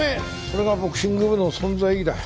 それがボクシング部の存在意義だ。